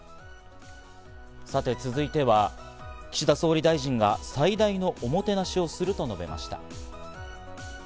さて続いては、岸田総理大臣が最大のおもてなしをすると述べました。